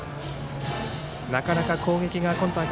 なかなか、攻撃が今大会